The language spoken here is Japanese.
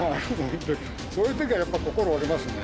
そういう時はやっぱ心折れますね。